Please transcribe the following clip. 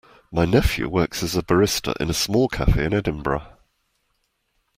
My nephew works as a barista in a small cafe in Edinburgh.